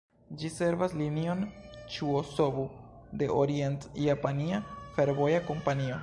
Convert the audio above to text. Ĝi servas Linion Ĉuo-Sobu de Orient-Japania Fervoja Kompanio.